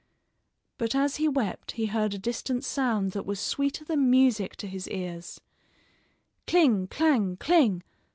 But as he wept he heard a distant sound that was sweeter than music to his ears: "Cling, clang, cling!